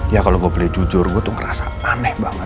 ya kalau gue boleh jujur gue tuh ngerasa aneh banget